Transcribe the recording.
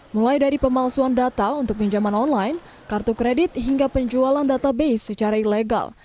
mulai dari pemalsuan data untuk pinjaman online kartu kredit hingga penjualan database secara ilegal